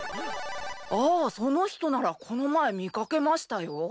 ああその人ならこの前見掛けましたよ。